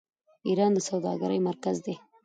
ایران د سوداګرۍ مرکز دی.